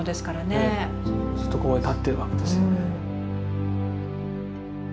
ずっとここに立ってるわけですよね。